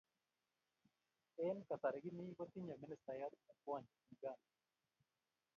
Eng kasari kimii kotinye ministayat ne kwony Uganda.